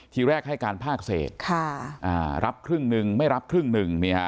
ทีแรกให้การภาคเศษรับครึ่งหนึ่งไม่รับครึ่งหนึ่ง